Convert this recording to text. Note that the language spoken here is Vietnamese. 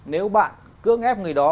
nếu bạn cướng ép người đó